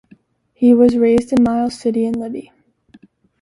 He was raised in Miles City and Libby.